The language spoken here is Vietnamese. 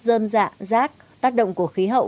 dơm dạ rác tác động của khí hậu